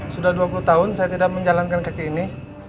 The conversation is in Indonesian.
sudah dua puluh tahun saya tidak menjalankan kaki ini